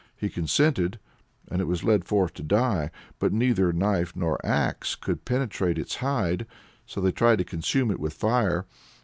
He consented, and it was led forth to die. But neither knife nor axe could penetrate its hide, so they tried to consume it with fire.